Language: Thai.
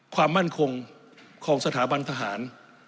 ความมั่นคงของสถาบันทหาร